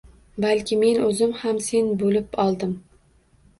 Balki men o’zim ham sen bo’lib oldim.